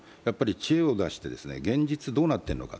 知恵を出して現実どうなっているのか。